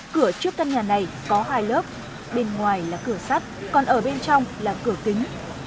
cửa trước căn nhà này có hai lớp bên ngoài là cửa sắt còn ở bên trong là cửa kính